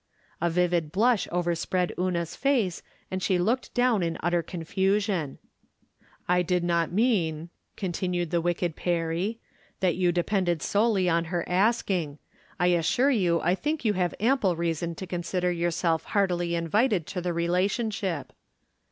A vivid blush overspread Una's face, and she looked down in utter confusion. " I did not mean," continued the wicked Perry, that you depended solely on her asking. I as sure you I think you have ample reason to consider yourself heartily invited to the relationship."